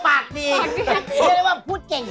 ไม่ใช่ว่าพูดเก่ง